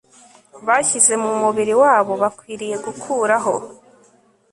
bashyize mu mubiri wabo Bakwiriye gukuraho